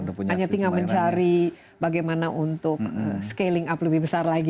hanya tinggal mencari bagaimana untuk scaling up lebih besar lagi